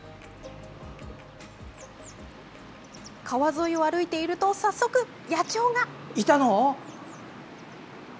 川沿いを歩いていると早速、野鳥が！